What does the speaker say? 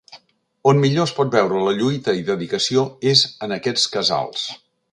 On millor es pot veure la lluita i dedicació és en aquests casals.